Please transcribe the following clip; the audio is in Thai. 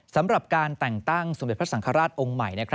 สำหรับการแต่งตั้งสมเด็จพระสังฆราชองค์ใหม่